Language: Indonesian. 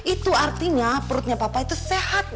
itu artinya perutnya papa itu sehat